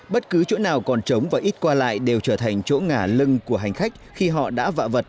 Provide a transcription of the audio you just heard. bất cứ chỗ nào còn trống và ít qua lại đều trở thành chỗ ngả lưng của hành khách khi họ đã vạ vật